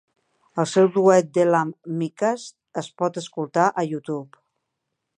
El seu duet "Delam Mikhast" es pot escoltar a YouTube.